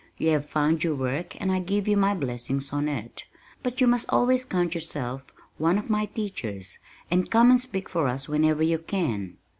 You have found your work and I give you my blessing on it. But you must always count yourself one of my teachers and come and speak for us whenever you can."